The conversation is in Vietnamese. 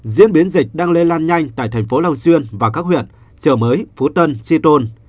diễn biến dịch đang lê lan nhanh tại thành phố lào duyên và các huyện trở mới phú tân tri tôn